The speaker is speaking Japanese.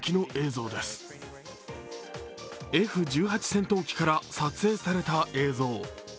戦闘機から撮影された映像。